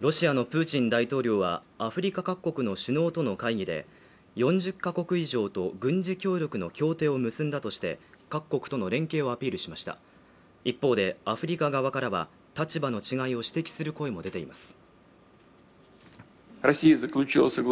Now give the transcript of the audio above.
ロシアのプーチン大統領はアフリカ各国の首脳との会議で４０か国以上と軍事協力の協定を結んだとして各国との連携をアピールしました一方でアフリカ側からは立場の違いを指摘する声も出ています